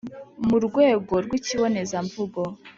mu rwego rw’ikibonezamvugo